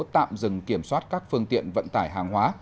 tạm dừng kiểm soát các phương tiện vận tải hàng hóa